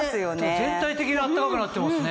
全体的に暖かくなってますね。